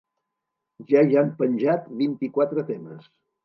Ja hi han penjat vint-i-quatre temes.